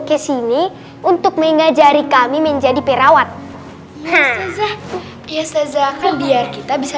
kesini untuk mengajari kami menjadi perawat ya ustadz ya ustadz ya kan biar kita bisa